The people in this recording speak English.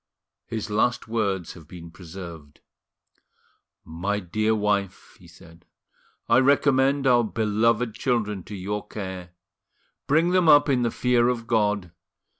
His last words have been preserved. "My dear wife," he said, "I recommend our beloved children to your care: bring them up in the fear of God.